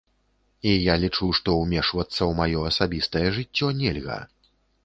І я лічу, што ўмешвацца ў маё асабістае жыццё нельга.